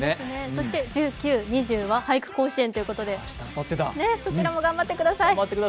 そして１９、２０は俳句甲子園ということで、そちらも頑張ってください。